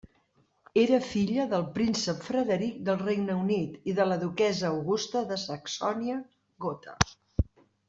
Era filla del príncep Frederic del Regne Unit i de la duquessa Augusta de Saxònia-Gotha.